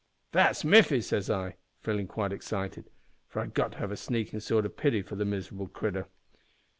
"`That's Miffy,' says I, feelin' quite excited, for I'd got to have a sneakin' sort o' pity for the miserable critter.